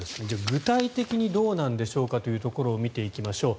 具体的にどうなんでしょうかというところを見ていきましょう。